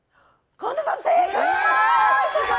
神田さん、正解！